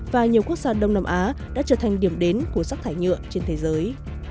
và nhiều quốc gia đông nam á đã trở thành điểm đến của rác thải nhựa trên thế giới